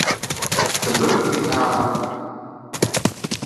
The book is an autobiography as well as an instructional book on his magic.